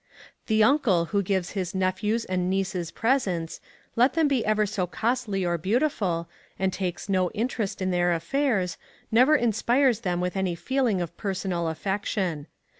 The uncle who gives his nephews and nieces presents, let them be ever so costly or beautiful, and takes no interest in their affairs, never inspires them with any feeling of personal affection.